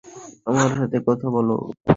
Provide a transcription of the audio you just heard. আমার সাথে কথা বলো।